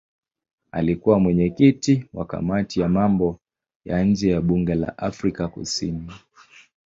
Alikuwa mwenyekiti wa kamati ya mambo ya nje ya bunge la Afrika Kusini.